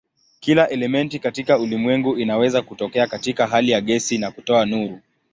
Kila elementi katika ulimwengu inaweza kutokea katika hali ya gesi na kutoa nuru.